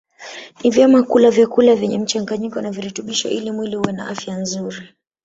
Ni vyema kula vyakula vyenye mchanganyiko wa virutubisho ili mwili uwe na afya nzuri